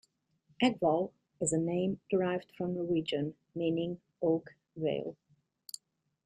Eckvoll is a name derived from Norwegian meaning "oak vale".